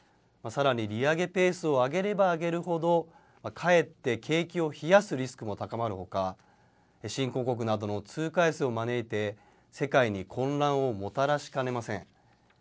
さらに、利上げペースを上げれば上げるほど、かえって景気を冷やすリスクも高まるほか、新興国などの通貨安を招いて、世界に混乱をもたらしかねません。